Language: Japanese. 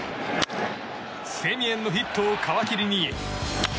セミエンのヒットを皮切りに。